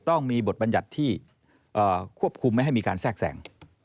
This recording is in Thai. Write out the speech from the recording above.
ต้องมีบทบัญญัติที่ควบคุมไม่ให้มีการแทรกแสง